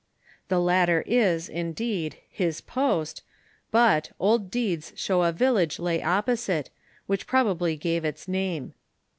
The latter is, indeed, his post, but, old deeds show a village lay opposite, whieh probably gave its name.